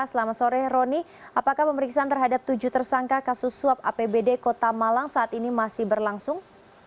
selamat sore roni apakah pemeriksaan terhadap tujuh tersangka kasus suap apbd kota malang saat ini masih berlangsung